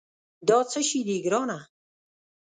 دا څه شي دي، ګرانه؟